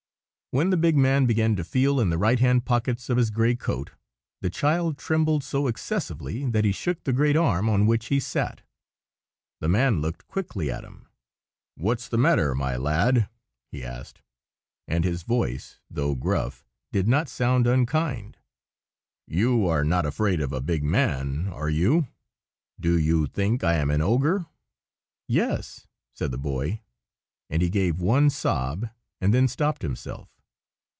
When the big man began to feel in the right hand pockets of his gray coat, the child trembled so excessively that he shook the great arm on which he sat. The man looked quickly at him. "What is the matter, my lad?" he asked; and his voice, though gruff, did not sound unkind. "You are not afraid of a big man, are you? Do you think I am an ogre?" "Yes!" said the boy; and he gave one sob, and then stopped himself.